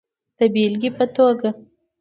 د بیلګی په توکه